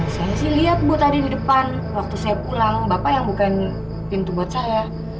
saya sih lihat bu tadi di depan waktu saya pulang bapak yang bukan pintu buat saya